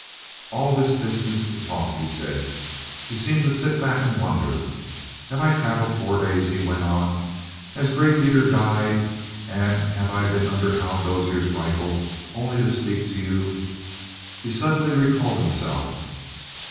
"All this distance to talk?" he said. He seemed to sit back and wonder. "Have I traveled four days?" he went on. "Has Gray Peter died, and have I been under Hal Dozier's rifle only to speak to you?" He suddenly recalled himself.